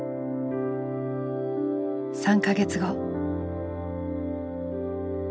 ３か月後。